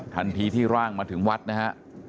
ทันทีที่ร่างมาถึงวัดนะฮะ